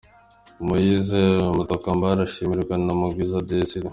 Moise Mutokambali ashimirwa na Mugwiza Desire.